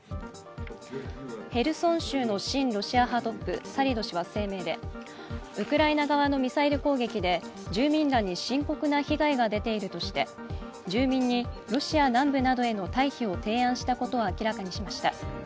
ヘルソン州の親ロシア派トップサリド氏は声明でウクライナ側のミサイル攻撃で住民らに深刻な被害が出ているとして住民にロシア南部などへの退避を提案したことを明らかにしました。